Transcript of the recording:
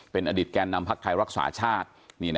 เป็นอดิษฐ์แกนนำภักดิ์ไทยรักษาชาติ